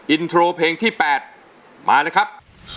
อินโทรเพลงที่๘มาเลยครับ